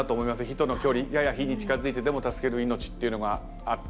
火との距離やや火に近づいてでも助けるいのちっていうのがあって。